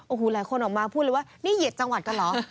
โอ้โหหลายคนออกมาพูดเลยว่านี่เหยียดจังหวัดกันเหรอ